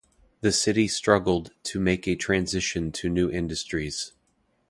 The city struggled to make a transition to new industries.